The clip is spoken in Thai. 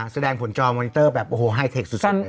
แสดงผลจอมอนิเตอร์แบบโอ้โหไฮเทคสุดเลย